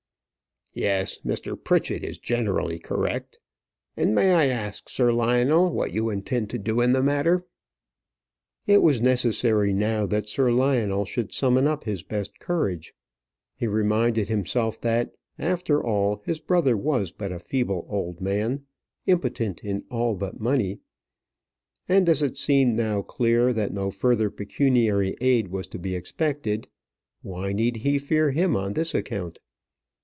"Yes, Mr. Pritchett is generally correct. And may I ask, Sir Lionel, what you intend to do in the matter?" It was necessary now that Sir Lionel should summon up his best courage. He reminded himself that after all his brother was but a feeble old man impotent in all but money; and as it seemed now clear that no further pecuniary aid was to be expected, why need he fear him on this account?